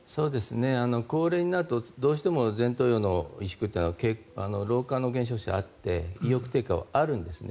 高齢になるとどうしても前頭葉の萎縮老化の減少であって意欲低下はあるんですね。